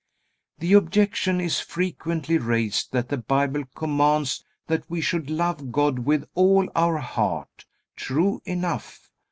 The objection is frequently raised that the Bible commands that we should love God with all our heart. True enough.